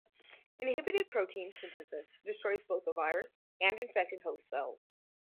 Inhibited protein synthesis destroys both the virus and infected host cells.